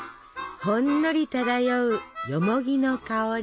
ほんのり漂うよもぎの香り。